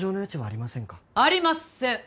ありません！